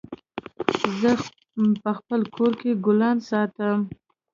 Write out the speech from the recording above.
زه په خپل کور کي ګلان ساتم